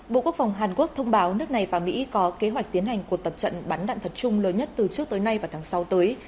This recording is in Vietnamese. bộ quốc phòng hàn quốc thông báo nước này và mỹ có kế hoạch tiến hành cuộc tập trận bắn đạn thật chung lớn nhất từ trước tới nay vào tháng sáu tới